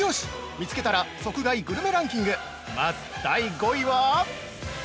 見つけたら即買いグルメランキング、まず第５位は◆